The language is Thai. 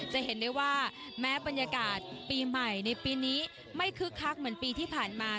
จะเห็นได้ว่าแม้บรรยากาศปีใหม่ในปีนี้ไม่คึกคักเหมือนปีที่ผ่านมา